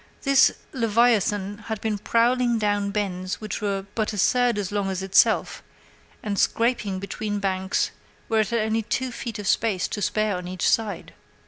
This leviathan had been prowling down bends which were but a third as long as itself, and scraping between banks where it had only two feet of space to spare on each side.